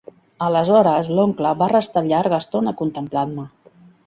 Aleshores l'oncle va restar llarga estona contemplant-me.